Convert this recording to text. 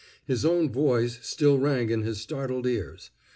His own voice still rang in his startled ears.